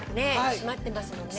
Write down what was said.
閉まってますもんね。